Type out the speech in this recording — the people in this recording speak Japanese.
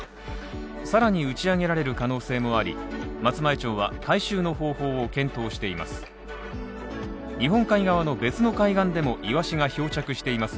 さらに打ち上げられる可能性もあり松前町は、回収の方法を検討しています。